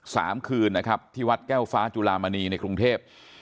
คืนนะครับที่วัดแก้วฟ้าจุลามณีในกรุงเทพ